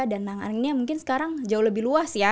dan nangannya mungkin sekarang jauh lebih luas ya